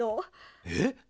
えっ？